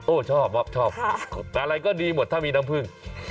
ชอบชอบอะไรก็ดีหมดถ้ามีน้ำผึ้ง